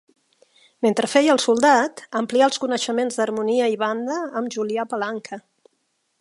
Mentre feia el soldat amplià els coneixements d'harmonia i banda amb Julià Palanca.